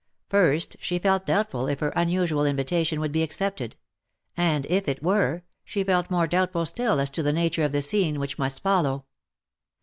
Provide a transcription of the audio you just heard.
First she felt doubtful if her unusual invitation would be accepted ; and if it were, she felt more doubtful still as to the nature of the scene which must follow.